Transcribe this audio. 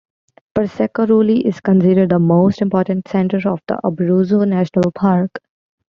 Pescasseroli is considered the most important center of the Abruzzo National Park.